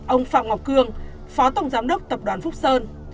ông phạm ngọc cương phó tổng giám đốc tập đoàn phúc sơn